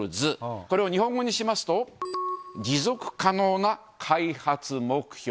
これを日本語にしますと、持続可能な開発目標。